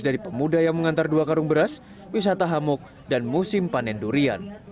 dari pemuda yang mengantar dua karung beras wisata hamuk dan musim panen durian